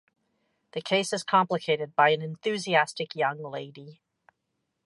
The case is complicated by an enthusiastic young lady.